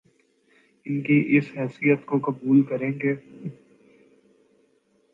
ان کی اس حیثیت کو قبول کریں گے